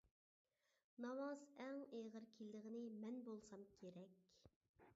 ناماز ئەڭ ئېغىر كېلىدىغىنى مەن بولسام كېرەك.